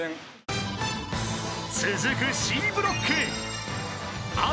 ［続くＣブロック］